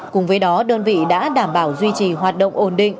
cùng với đó đơn vị đã đảm bảo duy trì hoạt động ổn định